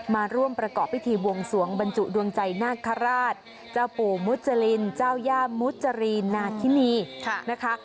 มาร่วมประกอบพิธีบวงสวงบรรจุดวงใจนาคาราชเจ้าปู่มุจรินเจ้าย่ามุจรีนาคินีนะคะ